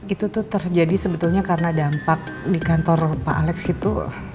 itu tuh terjadi sebetulnya karena dampak di kantor pak alex itu